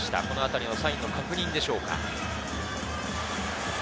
このあたりのサインの確認でしょうか。